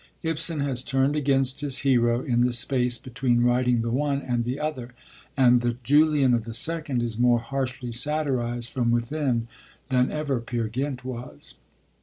Ibsen has turned against his hero in the space between writing the one and the other; and the Julian of the second is more harshly satirised from within than ever Peer Gynt was.